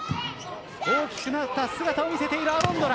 大きくなった姿を見せているアロンドラ。